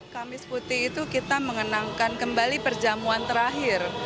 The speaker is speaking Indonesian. kamis putih itu kita mengenangkan kembali perjamuan terakhir